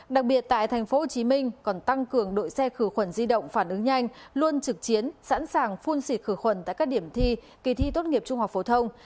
đặc biệt tại tp hcm còn tăng cường đội xe khử khuẩn di động phản ứng nhanh luôn trực chiến sẵn sàng phun xịt khử khuẩn tại các điểm thi kỳ thi tốt nghiệp trung học phổ thông